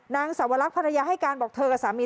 นางสวรรคภรรยาให้การบอกเธอกับสามี